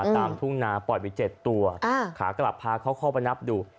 ตามทุ่งนาปล่อยไป๗ตัวขากลับพาเขาเข้าไปนับดู